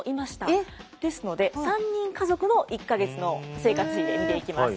ですので３人家族の１か月の生活費で見ていきます。